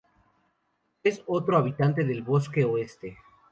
Es otro habitante del Bloque Oeste.